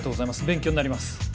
勉強になります